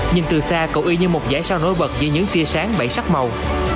nhìn từ xa cầu y như một giải sao nối bật giữa những tia sáng bảy sắc màu